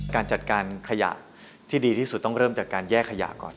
การจัดการขยะที่ดีที่สุดต้องเริ่มจากการแยกขยะก่อน